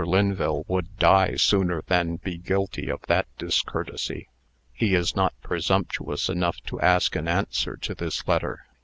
Lynville would die sooner than be guilty of that discourtesy. He is not presumptuous enough to ask an answer to this letter.